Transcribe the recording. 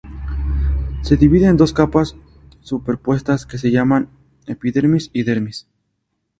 Se divide en dos capas superpuestas que se llaman epidermis y dermis.